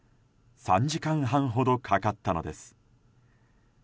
３時間半ほどかかったのです。